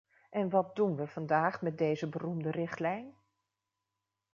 En wat doen we vandaag met deze beroemde richtlijn?